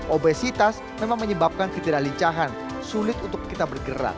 obesitas memang menyebabkan ketidaklincahan sulit untuk kita bergerak